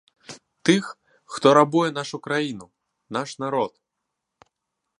Тых, хто рабуе нашу краіну, наш народ.